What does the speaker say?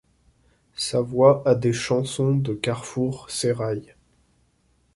Sa voix à des chansons de carrefour s’éraille.